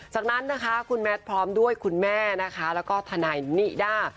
จากนั้นคุณแมทพร้อมด้วยคุณแม่และทนายนิด้า